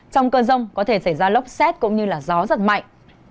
trong cơn rông có thể xảy ra lốc xét cũng như gió giật mạnh